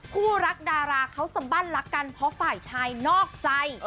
คู่รักดาราเขาสบั้นรักกันเพราะฝ่ายชายนอกใจ